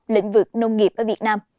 lĩnh vực nông nghiệp ở việt nam